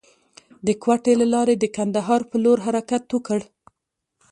د کوټې له لارې د کندهار پر لور حرکت وکړ.